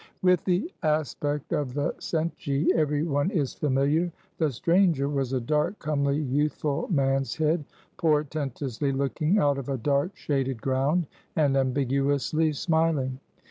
With the aspect of the Cenci every one is familiar. "The Stranger" was a dark, comely, youthful man's head, portentously looking out of a dark, shaded ground, and ambiguously smiling.